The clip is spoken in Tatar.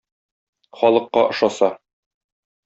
Халыкка ошаса!